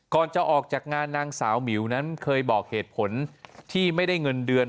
ก่อนจะออกจากงานนางสาวหมิวนั้นเคยบอกเหตุผลที่ไม่ได้เงินเดือน